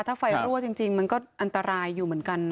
ถ้าไฟรั่วจริงมันก็อันตรายอยู่เหมือนกันนะ